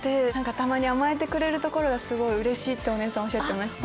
たまに甘えてくれるところがすごいうれしいってお姉さんおっしゃってました。